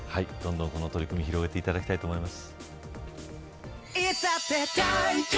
どんどんこの取り組み広げていただきたいと思います。